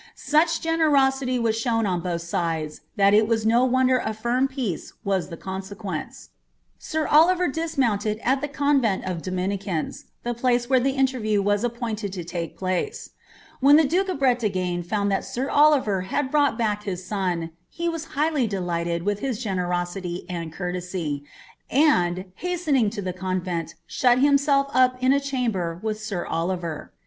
Such generosity was ehown on both sides, that it was no wonder tt firm peace was the eoDMquence. Sir Oliver dismounted at the convent of Dominicans, the plmce where the interview was appointed to take place. When the duke of Drelagne found that sir Oliver had brought back his son, he was higMy delighted with his genen>aily and courteBv, and, hastening to the convent, shut himself up in a chamber with sir Oliver.